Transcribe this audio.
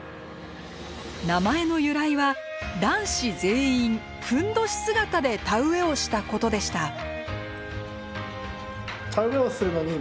名前の由来は男子全員ふんどし姿で田植えをしたことでした。